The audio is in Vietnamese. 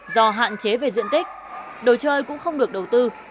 do hạn chế về diện tích đồ chơi cũng không được đầu tư